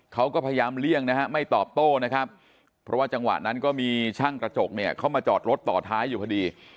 เขาก็พยายามเลี่ยงนะฮะไม่ตอบโต้นะครับเพราะว่าจังหวะนั้นก็มีช่างกระจกเนี่ยเข้ามาจอดรถต่อท้ายอยู่พอดี